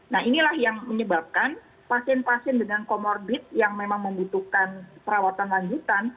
nah inilah yang menyebabkan pasien pasien dengan comorbid yang memang membutuhkan perawatan lanjutan